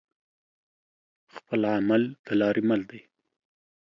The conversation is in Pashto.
خپل عمل د لارې مل دى.